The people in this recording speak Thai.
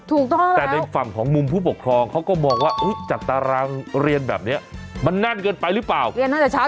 ถูกต้องแล้วแต่ในฝั่งของมุมผู้ปกครองเขาก็มองว่าอุ๊ยจัดตารางเรียนแบบเนี้ยมันนานเกินไปหรือเปล่า